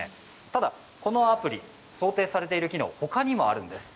ただ、このアプリ想定されている機能ほかにもあるんです。